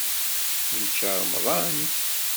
Yečča ṛemṭan?